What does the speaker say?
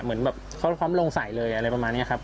เหมือนแบบเขาพร้อมลงใส่เลยอะไรประมาณนี้ครับ